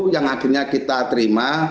yang akhirnya kita terima